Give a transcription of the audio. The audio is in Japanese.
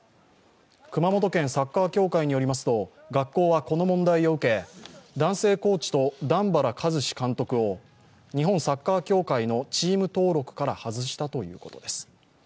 熊本県サッカー協会によりますと学校はこの問題を受け男性コーチと段原一詞監督を日本サッカー協会のチーム登録から外したということです。